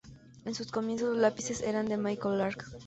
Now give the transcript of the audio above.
En sus comienzos los lápices eran de Michael Lark.